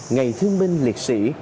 ngày thương minh liệt sĩ